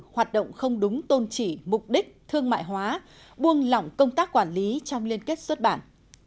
hoạt động không đúng tôn trị mục đích thương mại hóa buông lỏng công tác quản lý trong liên kết xuất bản